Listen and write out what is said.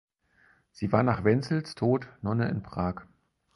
Sie war nach Wenzels Tod Nonne in Prag.